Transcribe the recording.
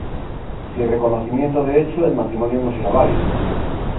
Sin reconocimiento de hecho el matrimonio no será válido.